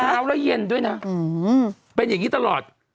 แล้วที่เช้าและเย็นด้วยนะเป็นอย่างนี้ตลอด